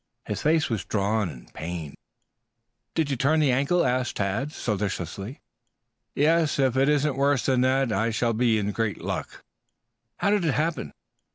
His face was drawn and pained. "Did you turn the ankle?" asked Tad solicitously. "Yes. If it isn't worse than that I shall be in great luck." "How did it happen?"